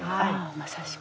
まさしく。